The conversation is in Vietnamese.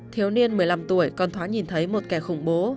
thiếu niên một mươi năm tuổi còn thoáng nhìn thấy một kẻ khủng bố